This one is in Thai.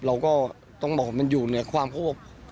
เราก็ต้องบอกว่ามันอยู่ในความควบคุมเราในนี้